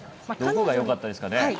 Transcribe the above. どこがよかったですかね？